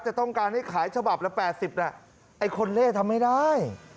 จะต้องการให้ขายฉบับละ๘๐น่ะไอ้คนเล่ทำไม่ได้